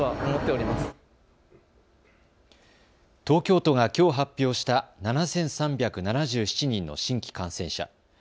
東京都がきょう発表した７３７７人の新規感染者。